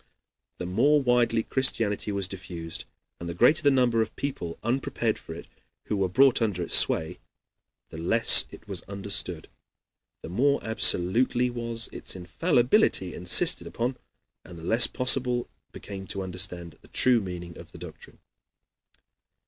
The more widely Christianity was diffused, and the greater the number of people unprepared for it who were brought under its sway, the less it was understood, the more absolutely was its infallibility insisted on, and the less possible it became to understand the true meaning of the doctrine.